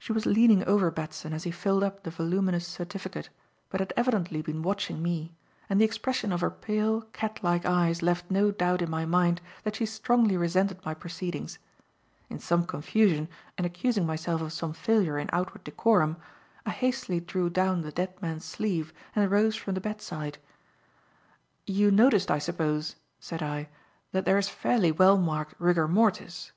She was leaning over Batson as he filled up the voluminous certificate, but had evidently been watching me, and the expression of her pale, catlike eyes left no doubt in my mind that she strongly resented my proceedings. In some confusion, and accusing myself of some failure in outward decorum, I hastily drew down the dead man's sleeve and rose from the bedside. "You noticed, I suppose," said I, "that there is fairly well marked rigor mortis?"